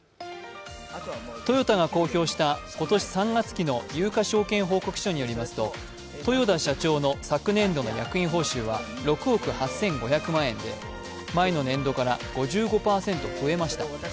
トヨタが公表した今年３月期の有価証券報告書によりますと、豊田社長の昨年の役員報酬は６億８５００万円で前の年度から５５％増えました。